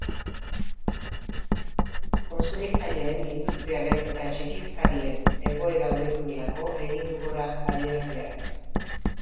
Kontsumitzaileen, industriaren eta txikizkarien egoera hobetu delako egin du gora adierazleak.